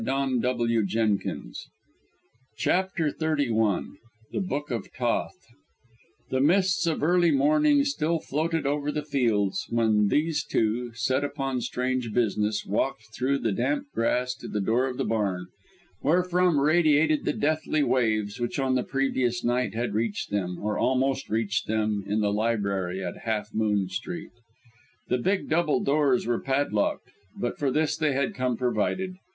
"And " "We have conquered!" CHAPTER XXXI THE BOOK OF THOTH The mists of early morning still floated over the fields, when these two, set upon strange business, walked through the damp grass to the door of the barn, where from radiated the deathly waves which on the previous night had reached them, or almost reached them, in the library at Half Moon Street. The big double doors were padlocked, but for this they had come provided.